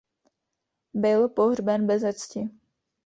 Byl pohřben beze cti.